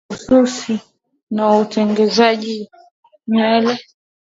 hii ya ususi na utengenezaji nywele